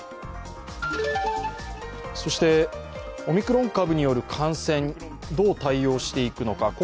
オミクロン株による感染にどう対応していくのか。